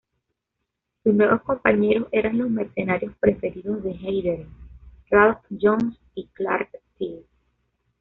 Sus nuevos compañeros eran los mercenarios preferidos de Heidern: Ralf Jones y Clark Steel.